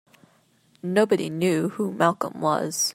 Nobody knew who Malcolm was.